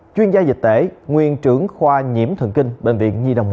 chuyên gia dịch tễ nguyên trưởng khoa nhiễm thần kinh bệnh viện nhi đồng một